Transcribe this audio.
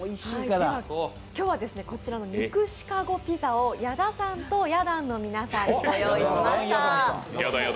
今日は肉シカゴピザを矢田さんとや団の皆さんにご用意しました。